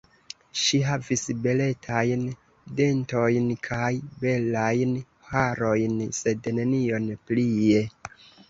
Ŝi havis beletajn dentojn kaj belajn harojn, sed nenion plie.